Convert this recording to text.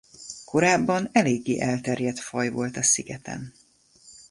Korábban eléggé elterjedt faj volt a szigeten.